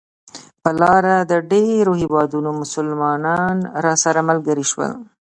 پر لاره د ډېرو هېوادونو مسلمانان راسره ملګري شول.